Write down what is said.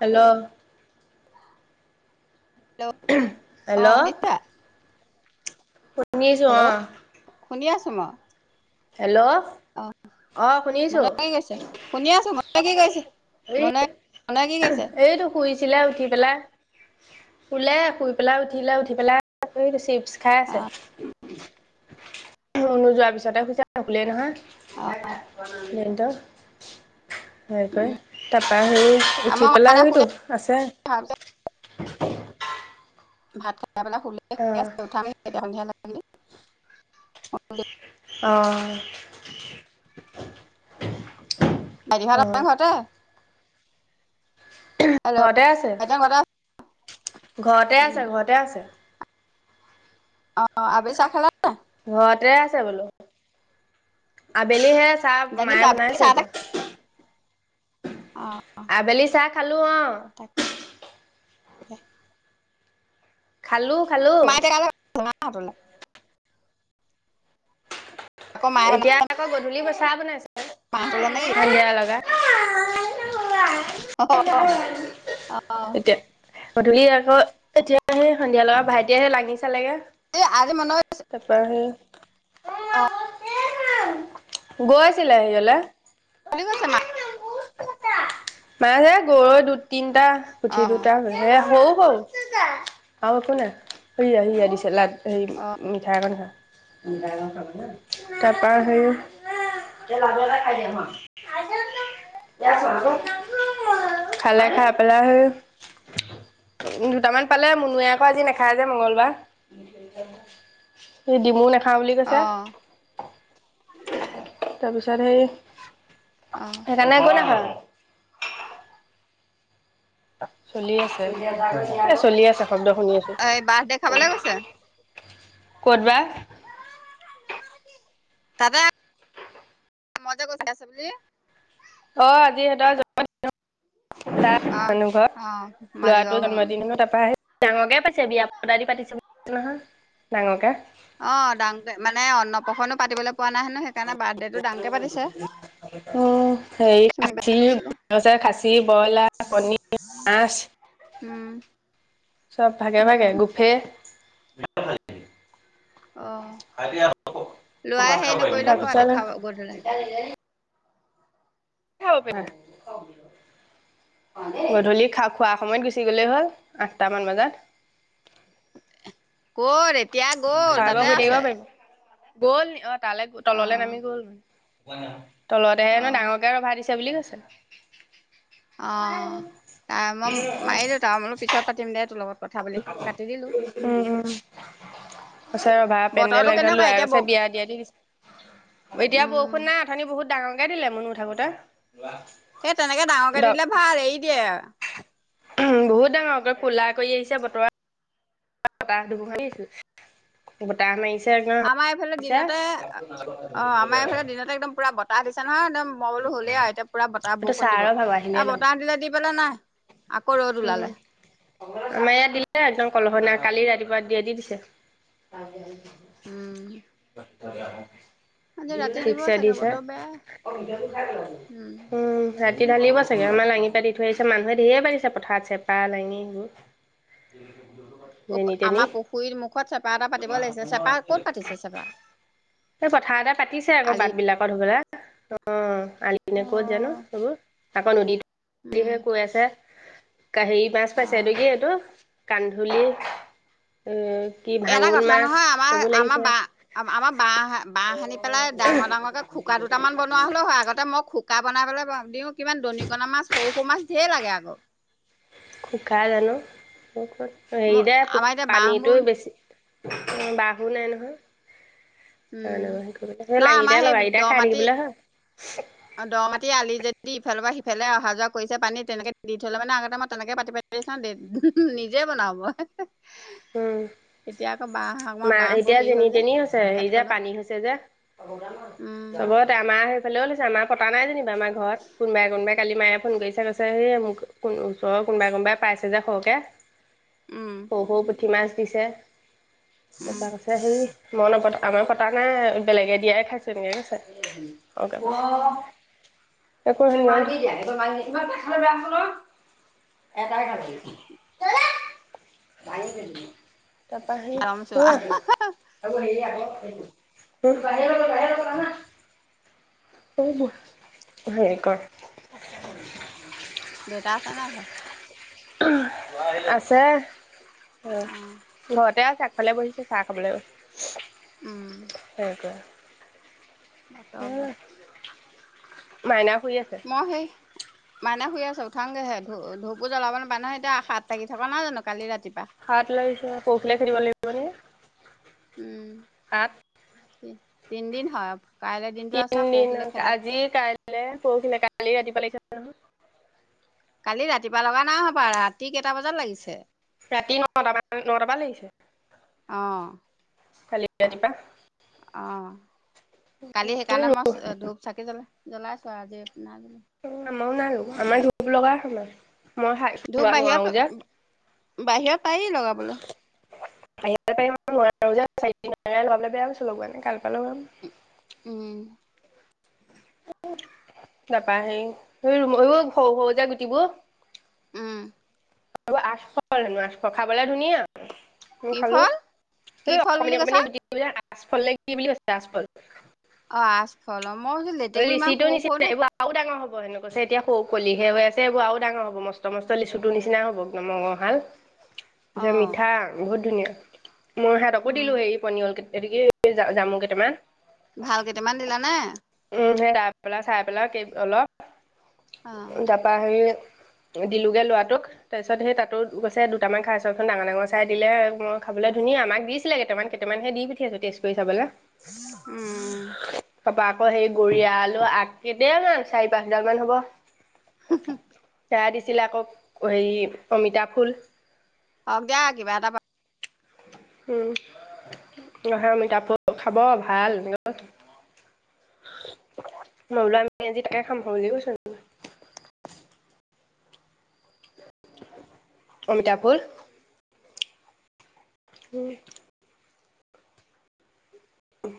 Hello hello অ hello শছা সছোা শুনি আছোঁ মই। হেল্ল' অ অ মন শুনিছো গৈছে শুনি আছো মই কি কৈছে এই মন এইটো শুইছিলে উঠি পেলাই লোই শুই পেলাই উঠিলিলাই উঠি পেলাই বেছি খাই অ আছে নো যোৱাৰ পিছতে শুইছা ভুলেই অ নহয় উ দ্ধহ হেৰি কৰি উম তাৰাপৰা সেৰি আমাৰ উঠি মাইনা পেলাই আহতো শুলে আছে তাৰপিছত [unintelligible] ভাত তি পেল খুল অ আ উঠামি সন্ধিয়া লাগে অ বাইটী অ ভাল তে ঘৰতে হেল্ল' ঘৰতে আছে ভাইটিহঁত ঘৰতে আছে? ঘৰতে উম আছে ঘৰতে আছে অ আবি চা খেলা ন ততে আছে বোলো আবেলিহে আ চাহ জানিছো মায়ে আবেলি বনাইছে চাহ তাহ এতিয়া আবেলি চাক তাক [unintelligible] খালো খালো নতল আকৌ মায়ে বনাই এতিয়া আকৌ গধূলি ব্ চাহ ব নাইছে [unintelligible] অহ অহ এতিয়া গধূলি আকৌ এতিয়া সে সন্ধিয়া লগা ভাইটিয়হে লাগিছে চ লগে এই আজি মনৰ তাৰপৰা সি অ গৈ আছিলে সিহলে হ আছে মা মানে যে গৰৈ দুটা তিনটা অ গুঠি দুটাে হৌ অ আওঁএকো নাই সিয়া সিয়া দিছে লাত হেৰি অ মিঠাই একণ খা উন্দ কাব তাৰপা সেই খালে খাই পেলাই সেই দুটামান পালে মুনুৱে আকৌ আজি নাখায় যে মংগলবাৰ সেই ডিমু নাখায় খাঁ বুলি অ কৈছে তাৰপিছত সেই অ সেইকাৰণে একো [unintelligible] চলি আছে, এই চলি আছে শব্দ শুনি আছোঁ। এই বাৰ্থ ডে খাবলৈ গৈছে ক'ত বা? তাতে মজা কৰি আছে বুলি। অ', আজি সিহঁতৰ অ [unintelligible] মানুহ ঘৰত, অ ল'ৰাটো মালিগাঁও ঘৰ জন্মদিনত তাৰপৰা আহে ডাঙৰকে পাতিছে, বিয়া পতা দি পাতিছে নহয়, ডাঙৰকে। অ', দাং মানে অন্নপ্ৰশন্নো পাতিবলে পোৱা নাই হেনো সেইকাৰণে বাৰ্থডেটো ডাঙকে পাতিছে, উম হেৰি চুমি খাচী বাৰে কৈছিলে আছে খাচী ব্ৰইলাৰ কণী মাছ উম, চব ভাগে ভাগে উম। গুফে অ লৰাই হেৰি নকৰিলেও হয় আজি তাৰপিছত খাব গধূলা খাব পিয়া, গধূলি খা খোৱা সময়ত গুচি গ'লেই হ'ল আঠটামান বজাত। ক'ৰে এতিয়া গ'ল, খা গ তাতে শুই থাকিব আছে। পাৰিব গ'ল অ' তালে অ তললে নামি গ'ল। হয়। তলতহে অ ডাঙৰকে ৰভা দি [unintelligible] বুলি কৈছে। অ' তাই মই মাৰিলোঁ তাৰ বোলো পিছত পাতিম দে তোৰ লগত কথা বুলি কাটি দিলো উম, উম। আছে ৰবা, পেণ্ডেল বতৰটো একডাল কেনেকুৱা লৰাই এতিয়া ব গৈছে বিয়া দিয়া দি দিছে। এতিয়া, উম বৰষুণ নাই অথনি বহুত ডাঙৰ। দিলে মন উঠাকোতে সেই তেনেকে ডাঙৰকে দিলে ভাল এৰি দিয়ে বহুত ডাঙৰক কলা কৰি আহিছে বতৰ বতাহ দুবোৰ মাৰিছো বতাহ মাৰিছে। একদম আমাৰ এইফালে পিছে দিনতে অ' আমাৰ এইফালে দিনতে একদম পুৰা বতাহ দিছো নহয় একদম মই বোলো হ'লেই আৰু, এতিয়া পুৰা বতাহ এইটো বৰষুণ দিব। ছাৰৰ ভাগৰ আহিলে এ লম বতাহ দিলে দি পেলাই নাই, আকৌ ৰ'দ উম ওলালে। আমাৰ ইয়াত দিলে একদম কলহ নাই কালি ৰাতিপুৱা দিয়ে দি দিছে। উম। [inaudible] আজি ৰাতি দিব ঠিকছে চাগে দিছে বতৰ বেয়া। উম ৰা পাটি ঢালিব চাগে আমাৰ লাঙি পাতি থৈ আহিছে মানুহে ধেৰে পাৰিছে পথাৰত চেপা লাঙি সবোৰ আমাৰ পুখুৰীৰ মুখত চেপা এটা পাতিব লাগিছে চেপা ক'ত পাতিছে চেপা এই পথাাৰ এটা পাতিছে আকৌ বাট আলিত বিলাকত ধুবা অ আলি ননে অ ক'ত জানো সেইবোৰ আাকৌ নদী উম দেহে কি আছে কা হি মাছ পাইছে অ এইটো কি এইটো কান্ধুলি আহ এটা কথা নহয় আমাৰ আমাৰ বা আমাৰ বাঁহ বাঁহ সানি পেলাই ডাঙৰ ডাঙৰকৈ খুোককা দুটামান বনোৱা হ'লেও হয় আগতে মই শোকা বনাবলৈ দিওঁ কিমান দণিকণা মাছ সৰু সৌ মাছ ধঢেৰ লাগে আকৌ খুব খাই জানো হেৰি মই দে আমাৰ এতিয়া পানীটো বাঁহবোৰ বেছি বাহু নাই নহয় অ উম নেই সেই নহয় লাঙিটাই লা কেইটাই খাই থাকিবলৈ হ আ, দ' মাটি আলি যদি, ইফালৰ পৰা সিফালে অহা যোৱা কৰিছে পানী, তেনেকে দি থলে মানে, আগতে মই তেনেকে পাতি পাতি চা, নিজে ব'নও মই। উম, এতিয়া আকৌ বাঁহ আমাৰ মা বাঁহবোৰ এতিয়া হেৰি হ'ল যেনি যে তেনি হৈছে হেৰি কাটি যে পেলোৱা পানী হৈছে যে উম চবতে আমাৰ। লৈয় লৈয়ছে আমাৰ কটা নাই যেনিবা। আমাৰ ঘৰত কোনবাই, কোনোবাই কালি মায়ে ফোন কৰিছে কৈছে [unintelligible] কোন ওচৰৰ কোনোবাই, কোনোবাই পাইছে যে, সৰহকে উম সৰু, সৰু পুঠি মাছ দিছে। উম তাপা কৈছে হেৰি মই নপঠা আমাৰ কটা নাই বেলেগে দিয়াই খাইছে, এনেকে কৈছে। [unintelligible] অ [unintelligible] তাপা [unintelligible] ভালমচোৱা [unintelligible] [unintelligible] হেৰি কৰ তাকে দেউতা আছে নাই ঘৰত? আছে। অ', অ', ঘৰতে আগফালে বহিছে চাহ খাবলৈ। উম। সেনেকুৱা। বত অাবি [unintelligible] মাইনা শুই আছে মই সেই মাইনা শুই আছে উঠাংগেহে, ধূ ধূপু জ্বলাব নাপায় নহয়। এতিয়া সাত লাগি থকা নাই জানো কালি ৰাতি সাত লাগিছে পৰহিলে খেদিব লাগিব নেকি? উম, সাত তিনদিন হয়। কাইলৈ দিনটো আছে তিনিদিন পৰহিলে খেদে আজি কাইলৈ পৰখিলে ক কালি ৰাতি পৰা লাগিছে ন কালি ৰাতিপুৱা লগা নাই হ'বলা ৰাতি বজাত লাগিছে। ৰাতি নটা নটাপা লাগিছে। কালি ৰাতিপা আহ কালি সেইকাৰণে মই ধূপ চাকি জ্বলে। জ্বলাইছ আজি। নাগিল। ও ন আৰুো আমাৰ ধু লগাৰ সমাজ। মইাই ধূপ খোৱা বাহিৰত নোৱাৰো যোক বাহিৰত পায়েই লগা বোলে। আহিব পাৰিম নোৱাৰো চাৰি বেয়াছো লগ মানে কাল পালম উম! নাপাাহেবোৰ স সৰু যে গুটিবোৰ উম, আৰু আচফল নেনো আচফ খাবলে ধুনীয়া উ কি খালো ফল কি ফল বুলি অকমমানি কৈছা? অকমানি গুট আচফল ন কি বুলি কছে আচফল। অ' আজ ফলম অ' লিচিটো নিচিনা এইবোৰ আৰুও ডাঙৰ হ'ব হ হেনেক কৈছে এতিয়া সৌ কলিহে হৈ আছে এইবোৰ আৰু ডাঙৰ হ'ব মস্ত মস্ত লিচুটোৰ নিচিনা হ'ব একদম মঙৰহাল তাৰছত অ', মিঠা বহুত ধুনীয়া মই সহতকো উম। দিলো হেৰি পনিয়ল ক গতিক কি যামো কেইটামান! ভাল কেইটামান দিলা নে? উম সেই তাই পেলা চাই পেলা অলপ অ তাৰাপাহৰি দিলোগে লৰাটোক তাৰপিছত সেই তাতো গৈছে দুটামান খাই চবচোন ডাঙৰ ডাঙৰ চাই দিলে মই খাবলৈ ধুনীয়া আমাক দিছিলে কেইটামান কেইটামান সেই দি পঠি আছো টেষ্ট কৰি চাবলৈ। উম। কব আকৌ সেই গৰিয়া আলু আগেই দ আ চাৰি পাঁচডাৰ মান হ'ব সেয়া দিছিলে আকৌ হেৰি অমিতা ফুল হওক দিয়া কিবা এটা উম গহেৰ অমিতাপ খাব ভাল নলোৱা আমিজি তাকে খাম সৰুজ কৈছ, অমিতাপুৰ উম! উম